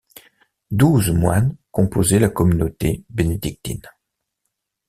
Douze moines composaient la communauté bénédictine.